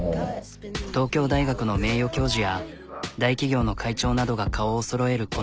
東京大学の名誉教授や大企業の会長などが顔をそろえる